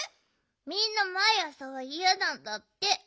みんなまいあさはいやなんだって。